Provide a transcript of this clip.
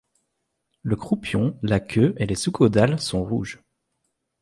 Le croupion, la queue et les sous-caudales sont rouges.